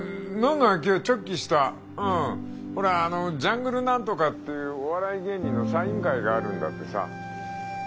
ほらあのじゃんぐる何とかっていうお笑い芸人のサイン会があるんだってさ。